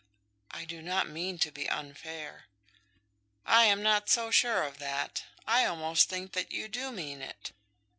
"I do not mean to be unfair." "I am not so sure of that. I almost think that you do mean it.